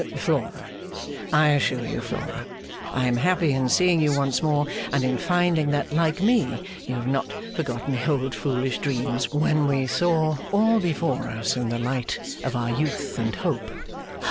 'Flora. I assure you, Flora, I am happy in seeing you once more, and in finding that, like me, you have not forgotten the old foolish dreams, when we saw all before us in the light of our youth and hope.